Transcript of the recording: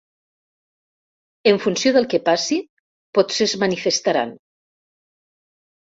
En funció del que passi potser es manifestaran.